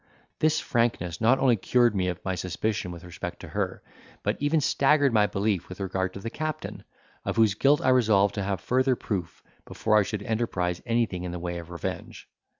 This frankness not only cured me of my suspicion with respect to her, but even staggered my belief with regard to the captain, of whose guilt I resolved to have further proof before I should enterprise anything in the way of revenge.